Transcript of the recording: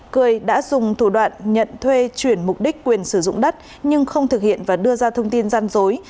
cười đã dùng thủ đoạn nhận thuê chuyển mục đích quyền sử dụng đất nhưng không thực hiện và đưa ra thông tin gian dối